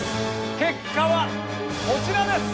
結果はこちらです！